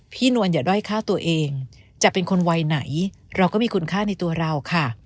นวลอย่าด้อยฆ่าตัวเองจะเป็นคนวัยไหนเราก็มีคุณค่าในตัวเราค่ะ